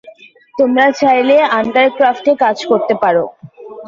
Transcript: তোমরা চাইলে আন্ডারক্রফটে কাজ করতে পারো।